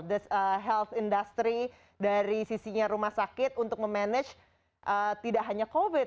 the health industry dari sisinya rumah sakit untuk memanage tidak hanya covid